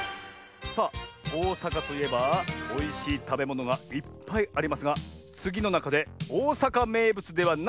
さあおおさかといえばおいしいたべものがいっぱいありますがつぎのなかでおおさかめいぶつではないのはどれ？